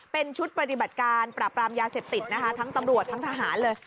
เป็นชุดปฏิบัติการปราบรามยาเสพติดนะคะทั้งตำรวจทั้งทหารเลย